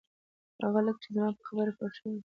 هغه لکه چې زما په خبره پوی شوی و.